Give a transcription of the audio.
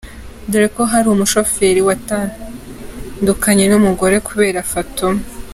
Dore ko hari n’umushoferi watandukanye n’umugore kubera Fatuma!